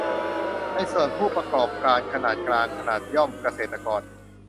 ในส่วน ผู้ประกอบการขนาดกลาง ขนาดย่อม เกษตรกร